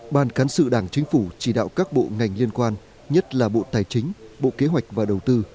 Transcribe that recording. ban cán sự đảng chính phủ chỉ đạo các bộ ngành liên quan nhất là bộ tài chính bộ kế hoạch và đầu tư